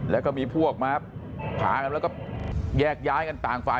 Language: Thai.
แล้วก็มีพวกมาพากันแล้วก็แยกย้ายกันต่างฝ่าย